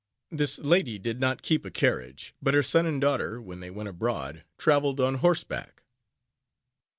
This lady did not keep a carriage; but her son and daughter, when they went abroad, traveled on horseback.